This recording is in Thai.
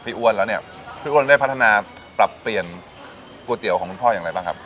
อ้วนแล้วเนี่ยพี่อ้วนได้พัฒนาปรับเปลี่ยนก๋วยเตี๋ยวของคุณพ่ออย่างไรบ้างครับ